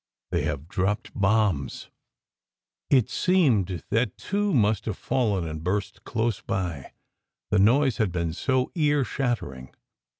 "They have dropped bombs." It seemed that two must have fallen and burst close by, the noise had been so ear shattering.